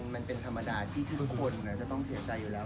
มันเป็นธรรมดาที่ทุกคนจะต้องเสียใจอยู่แล้ว